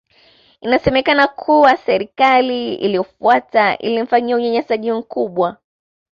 Inasemekana kuwa Serikali iliyofuata ilimfanyia unyanyasaji mkubwa